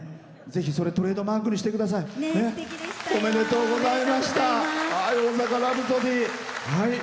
ぜひ、それトレードマークにしてください。